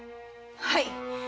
はい！